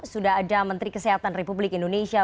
sudah ada menteri kesehatan republik indonesia